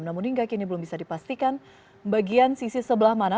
namun hingga kini belum bisa dipastikan bagian sisi sebelah mana